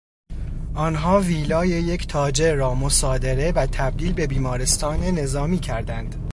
آنها ویلای یک تاجر را مصادره و تبدیل به بیمارستان نظامی کردند.